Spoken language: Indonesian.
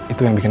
itu yang bikin